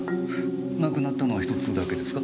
なくなったのは１つだけですか？